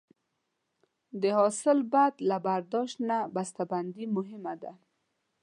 د حاصل بعد له برداشت نه بسته بندي مهمه ده.